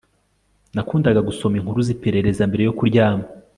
Nakundaga gusoma inkuru ziperereza mbere yo kuryama